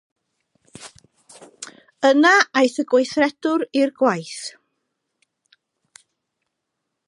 Yna aeth y gweithredwr i'r gwaith.